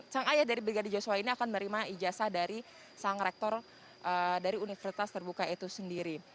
sang ayah dari brigadir joshua ini akan menerima ijazah dari sang rektor dari universitas terbuka itu sendiri